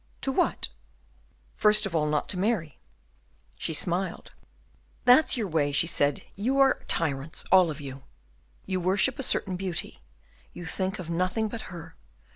"To what?" "First of all, not to marry." She smiled. "That's your way," she said; "you are tyrants all of you. You worship a certain beauty, you think of nothing but her.